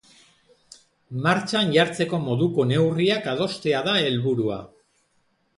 Martxan jartzeko moduko neurriak adostea da helburua.